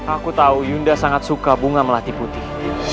aku tahu yunda sangat suka bunga melati putih